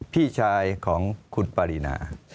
พี่ชายของคุณปารีนา